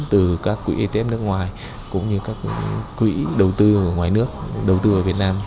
từ các quỹ it nước ngoài cũng như các quỹ đầu tư ở ngoài nước đầu tư ở việt nam